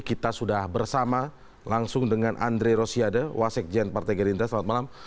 kita sudah bersama langsung dengan andre rosiade wasekjen partai gerindra selamat malam